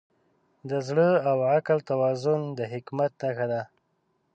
د زړه او عقل توازن د حکمت نښه ده.